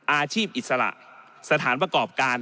อาชีพอิสระสถานประกอบการ